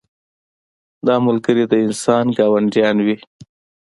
دا ملګري د انسان ګاونډیان وي.